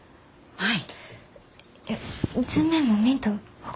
はい。